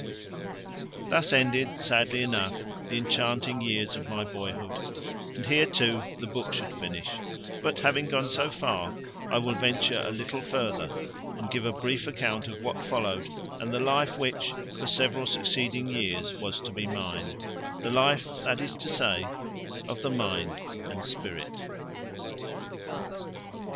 Thus ended, sadly enough, the enchanting years of my boyhood; and here, too, the book should finish: but having gone so far, I will venture a little further and give a brief account of what followed and the life which, for several succeeding years, was to be mine the life, that is to say, of the mind and spirit.